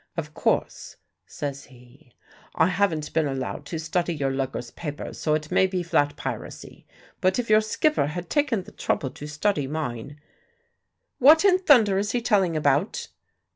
Of course," says he, "I haven't been allowed to study your lugger's papers, so it may be flat piracy. But if your skipper had taken the trouble to study mine " "What in thunder is he telling about?"